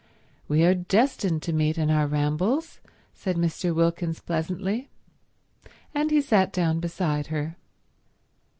"We are destined to meet in our rambles," said Mr. Wilkins pleasantly. And he sat down beside her.